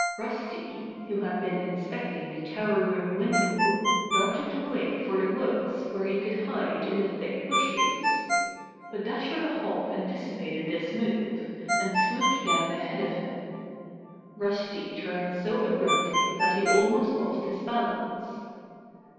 Rusty, who had been inspecting the tower room window, darted away for the woods where he could hide in the thick bushes. But Dasher the Hawk anticipated this move, and swooped down ahead of him. Rusty turned so abruptly that he almost lost his balance.